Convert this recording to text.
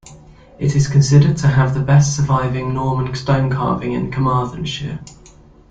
It is considered to have the best surviving Norman stonecarving in Carmarthenshire.